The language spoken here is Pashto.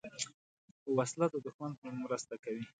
وسله د دوښمن مرسته کوي